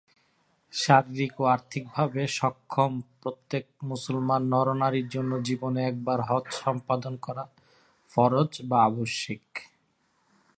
শারীরিক ও আর্থিকভাবে সক্ষম প্রত্যেক মুসলমান নর-নারীর জন্য জীবনে একবার হজ সম্পাদন করা ফরজ বা আবশ্যিক।